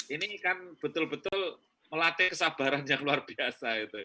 ini kan betul betul melatih kesabaran yang luar biasa